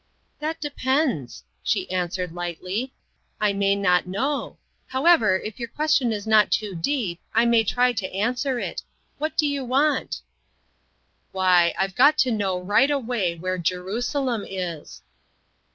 " That depends," she answered lightly ;" I may not know. However, if your ques tion is not too deep, I may try to answer it. What do you want?" "Why, I've got to know right away where Jerusalem is."